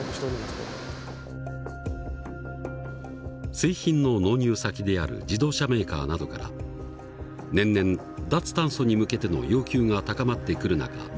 製品の納入先である自動車メーカーなどから年々脱炭素に向けての要求が高まってくる中導入したのがこの施設だ。